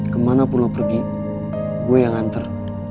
kemana pun lo pergi gue yang hantar